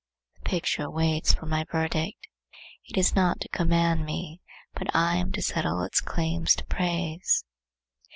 The picture waits for my verdict; it is not to command me, but I am to settle its claims to praise.